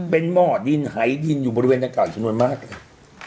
เป็นหม้อดินหายดินอยู่บริเวณอากาศจริงมากเลย